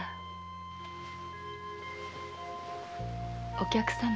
お客様。